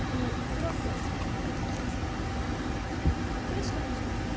苦しくないですか？